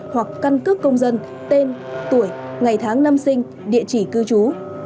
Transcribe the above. hoặc căn cước công dân tên tuổi ngày tháng năm sinh địa chỉ cư trú